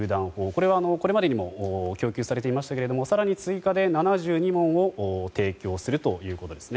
これは、これまでにも供給されていましたが更に追加で７２門を提供するということです。